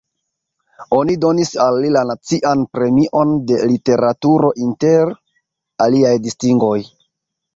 Oni donis al li la Nacian Premion de Literaturo inter aliaj distingoj.